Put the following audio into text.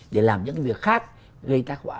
để làm những việc khác gây tác hỏa